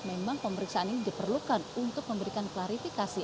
memang pemeriksaan ini diperlukan untuk memberikan klarifikasi